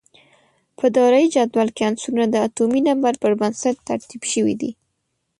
په دوره یي جدول کې عنصرونه د اتومي نمبر پر بنسټ ترتیب شوي دي.